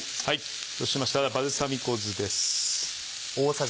そうしましたらバルサミコ酢です。